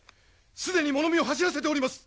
既に物見を走らせております！